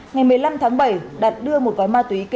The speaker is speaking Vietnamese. ngày một mươi năm tháng bảy đạt đưa một vói ma túy kết thúc